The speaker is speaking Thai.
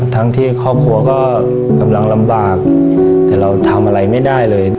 ทั้งที่ครอบครัวก็กำลังลำบากแต่เราทำอะไรไม่ได้เลย